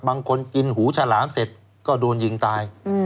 กินหูฉลามเสร็จก็โดนยิงตาย